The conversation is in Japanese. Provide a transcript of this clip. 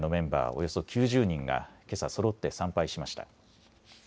およそ９０人がけさそろって参拝しました。